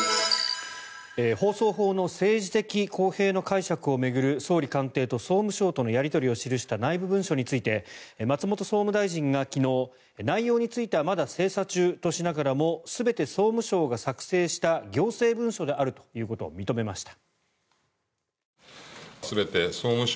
放送法の政治的公平の解釈を巡る総理官邸と総務省のやり取りを記した内部文書について松本総務大臣が昨日内容についてはまだ精査中としながらも全て総務省が作成した行政文書であるということを認めました。